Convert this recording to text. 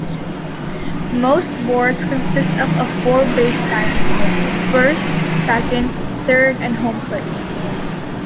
Most boards consist of a four-base diamond: first, second, third, and home plate.